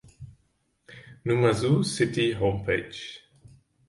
Numazu city homepage